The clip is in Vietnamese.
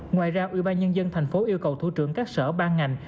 ngoài ra ubnd thành phố yêu cầu thủ trưởng các sở ban ngành